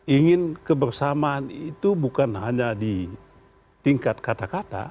ingin kebersamaan itu bukan hanya di tingkat kata kata